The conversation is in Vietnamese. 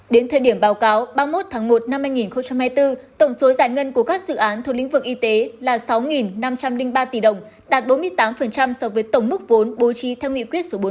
đến thời điểm báo cáo ba mươi một tháng một năm hai nghìn hai mươi bốn tổng số giải ngân của các dự án thuộc lĩnh vực y tế là sáu năm trăm linh ba tỷ đồng đạt bốn mươi tám so với tổng mức vốn bố trí theo nghị quyết số bốn mươi bốn